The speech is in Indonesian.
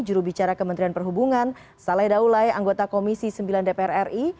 jurubicara kementerian perhubungan saleh daulai anggota komisi sembilan dpr ri